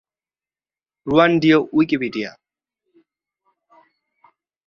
রুয়ান্ডীয় Wikipedia